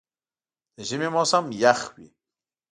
د ژمي موسم یخ وي.